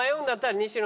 西野！